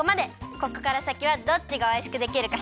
ここからさきはどっちがおいしくできるかしょうぶだよ！